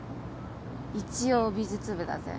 一応美術部だぜ。